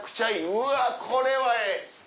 うわこれはええ！